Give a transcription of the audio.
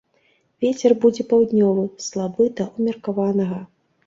Вецер будзе паўднёвы, слабы да ўмеркаванага.